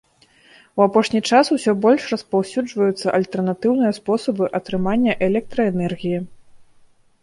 У апошні час усё больш распаўсюджваюцца альтэрнатыўныя спосабы атрымання электраэнергіі.